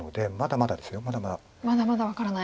まだまだ分からない。